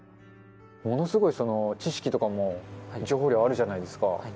ものすごい知識とかも、情報量あるじゃないですか。